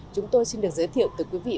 chúng tôi xin được giới thiệu từ quý vị